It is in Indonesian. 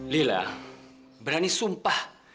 lila berani sumpah